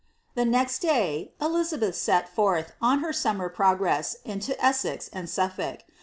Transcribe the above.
The next day, Elizabeth set forth on her smnmer progress into Essex and Suffolk.